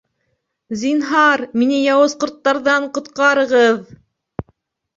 — Зинһар, мине яуыз ҡорттарҙан ҡотҡарығыҙ!..